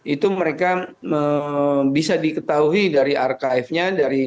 itu mereka bisa diketahui dari arkaifnya